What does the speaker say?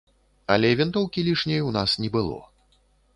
Але вінтоўкі лішняй у нас не было.